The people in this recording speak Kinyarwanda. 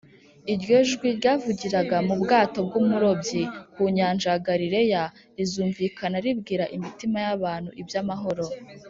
iryo jwi ryavugiraga mu bwato bw’umurobyi ku nyanja ya galileya rizumvikana ribwira imitima y’abantu iby’amahoro